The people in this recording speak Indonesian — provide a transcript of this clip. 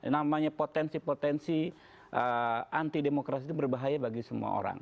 namanya potensi potensi anti demokrasi itu berbahaya bagi semua orang